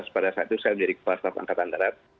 pada saat itu saya menjadi kepala staf angkatan darat